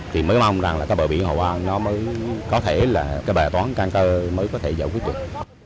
thì mới mong rằng là cái bờ biển hồ bao nó mới có thể là cái bài toán căng cơ mới có thể giải quyết được